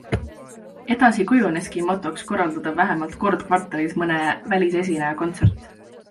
Edasi kujuneski motoks korraldada vähemalt kord kvartalis mõne välisesineja kontsert.